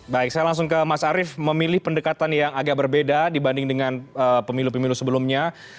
baik saya langsung ke mas arief memilih pendekatan yang agak berbeda dibanding dengan pemilu pemilu sebelumnya